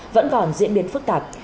vẫn còn diễn biến phức tạp